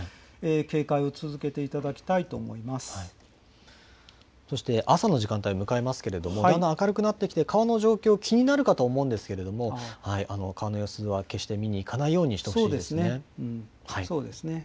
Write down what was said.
警戒を続けていただきたいと思いそして朝の時間帯迎えますけれども、だんだん明るくなってきて川の状況、気になるかと思うんですけれども、川の様子は決して見に行かないようにしてほしいでそうですね。